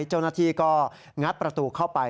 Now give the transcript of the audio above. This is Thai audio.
เจ้าหน้าที่ก็งัดประตูเข้าไป